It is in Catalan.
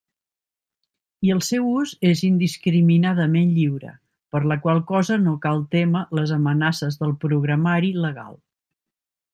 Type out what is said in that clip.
I el seu ús és indiscriminadament lliure, per la qual cosa no cal témer les amenaces del Programari Legal.